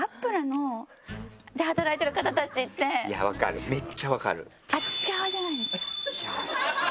いや分かるめっちゃ分かる。